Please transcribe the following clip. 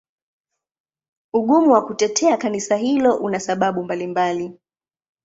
Ugumu wa kutetea Kanisa hilo una sababu mbalimbali.